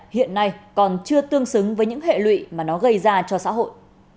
hiện nay còn chưa tương xứng với những hệ lụy mà nó gây ra cho xã hội